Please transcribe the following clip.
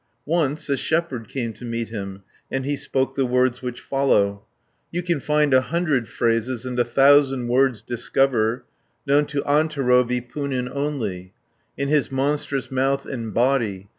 Once a shepherd came to meet him, And he spoke the words which follow: 10 "You can find a hundred phrases, And a thousand words discover, Known to Antero Vipunen only, In his monstrous mouth and body.